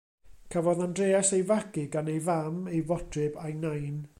Cafodd Andreas ei fagu gan ei fam, ei fodryb a'i nain.